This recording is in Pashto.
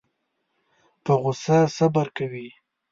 په غوسه صبر کوي.